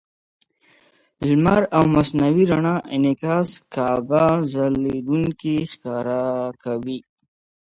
د لمر او مصنوعي رڼا انعکاس کعبه ځلېدونکې ښکاره کوي.